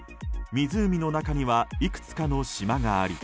湖の中にはいくつかの島があり